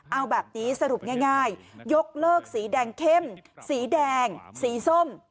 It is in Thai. เอาแบบนี้สรุปง่ายยกเลิกสีแดงเข้มสีแดงสีส้ม